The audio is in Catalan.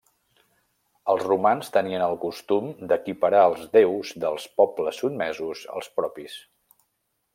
Els romans tenien el costum d'equiparar els déus dels pobles sotmesos als propis.